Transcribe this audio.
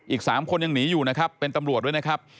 อีก๓คนยังหนีอยู่นะครับเป็นตำรวจด้วยนะครับ